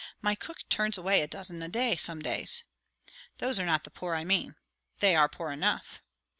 My cook turns away a dozen a day, some days." "Those are not the poor I mean." "They are poor enough."